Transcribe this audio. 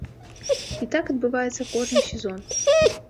І так адбываецца кожны сезон!